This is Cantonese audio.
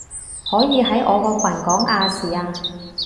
可以喺我個群講亞視啊